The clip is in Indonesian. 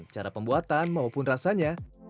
cara pembuatan maupun rasanya